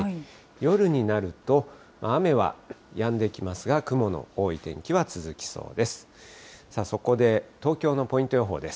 夜になると、雨はやんできますが、雲の多い天気は続きそうです。